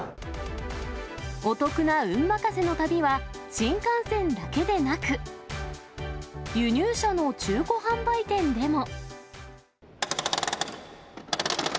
お得な運任せの旅は新幹線だけでなく、輸入車の中古販売店でも。